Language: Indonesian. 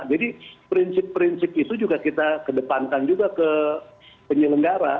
jadi prinsip prinsip itu juga kita kedepankan juga ke penyelenggara